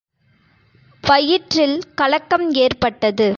வயிற்றில் கலக்கம் ஏற்பட்டது.